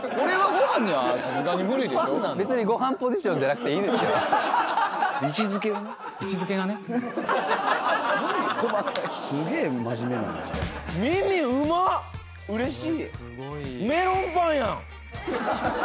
これ。